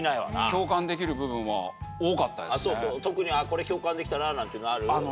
特にこれ共感できたななんていうのある？